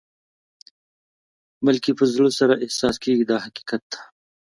بلکې په زړه سره احساس کېږي دا حقیقت دی.